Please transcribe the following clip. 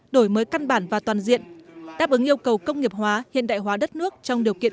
đổi mới căn bản và toàn diện đáp ứng yêu cầu công nghiệp hóa hiện đại hóa đất nước trong điều kiện